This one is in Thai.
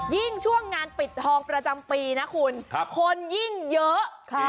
ยิ่งช่วงงานปิดทองประจำปีนะคุณคนยิ่งเยอะ